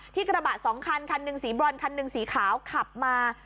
กระบะสองคันคันหนึ่งสีบรอนคันหนึ่งสีขาวขับมา